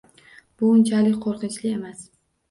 Bu unchalik qo'rqinchli emas